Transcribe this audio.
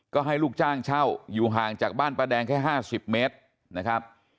ก็ให้ลูกจ้างเช่าอยู่ห่างจากบ้านป้าแดงแค่๕๐เมตรนะครับ